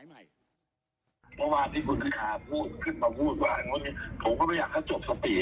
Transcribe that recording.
อยากให้คนอื่นใดมาทำมาเอิ่มลองดูสิ